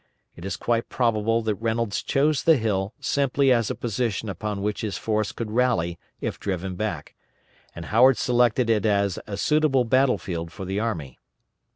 It is quite probable that Reynolds chose the hill simply as a position upon which his force could rally if driven back, and Howard selected it as a suitable battle field for the army.